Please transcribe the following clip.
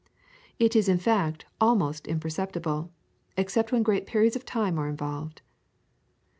It is in fact almost imperceptible, except when great periods of time are involved.